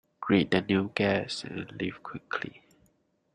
Greet the new guests and leave quickly.